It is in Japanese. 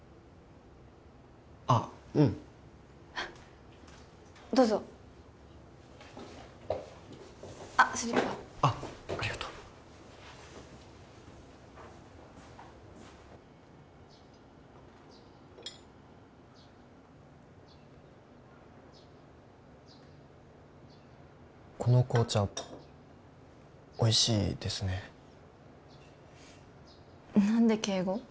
ああうんどうぞあっスリッパあっありがとうこの紅茶おいしいですね何で敬語？